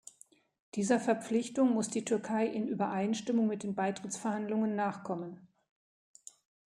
Dieser Verpflichtung muss die Türkei in Übereinstimmung mit den Beitrittsverhandlungen nachkommen.